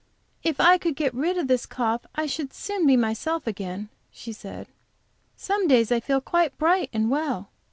"If I could get rid of this cough I should soon be myself again," she said. "Some days I feel quite bright and well.